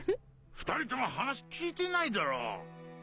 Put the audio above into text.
２人とも話聞いてないだろ。